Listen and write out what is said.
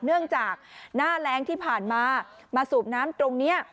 เนื่องจากหน้าแรงที่ผ่านมามาสูบน้ำตรงนี้